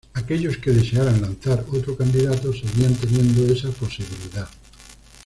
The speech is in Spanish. Aquellos que desearan lanzar otro candidato seguían teniendo esa posibilidad.